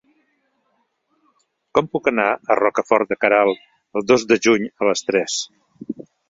Com puc anar a Rocafort de Queralt el dos de juny a les tres?